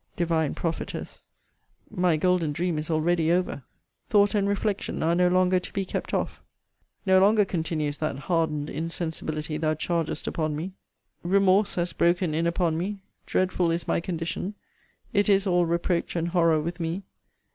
Divine prophetess! my golden dream is already over. 'Thought and reflection are no longer to be kept off.' No longer continues that 'hardened insensibility' thou chargest upon me. 'Remorse has broken in upon me. Dreadful is my condition; it is all reproach and horror with me!'